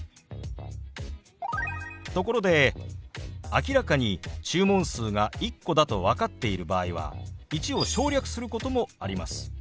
ところで明らかに注文数が１個だと分かっている場合は「１」を省略することもあります。